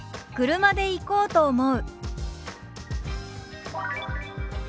「車で行こうと思う」。